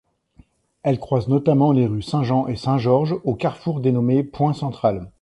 Elle croise notamment les rues Saint-Jean et Saint-Georges, au carrefour dénommé Point Central.